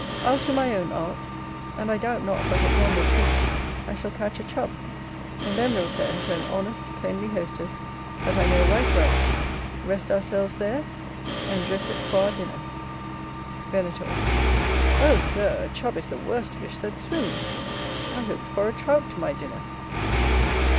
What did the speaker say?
I'll to my own art; and I doubt not but at yonder tree I shall catch a Chub: and then we'll turn to an honest cleanly hostess, that I know right well; rest ourselves there; and dress it for our dinner. Venator. Oh, Sir! a Chub is the worst fish that swims; I hoped for a Trout to my dinner.